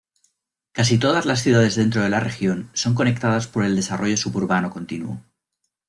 Casi todas ciudades dentro de la región son conectadas por el desarrollo suburbano continuo.